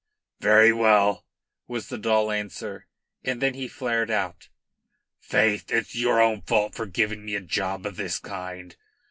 "Very well," was the dull answer, and then he flared out. "Faith, it's your own fault for giving me a job of this kind.